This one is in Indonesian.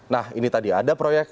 nah ini tadi ada proyek